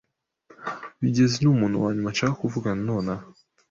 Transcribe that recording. Bigezi numuntu wanyuma nshaka kuvugana nonaha.